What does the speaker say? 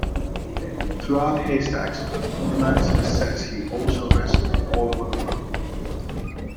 Throughout Haystacks' homeland success he also wrestled all over the world.